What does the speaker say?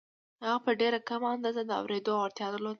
هغه په ډېره کمه اندازه د اورېدو وړتيا درلوده.